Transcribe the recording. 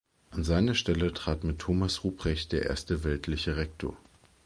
An seine Stelle trat mit Thomas Ruprecht der erste weltliche Rektor.